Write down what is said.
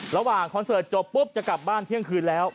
คอนเสิร์ตจบปุ๊บจะกลับบ้านเที่ยงคืนแล้ว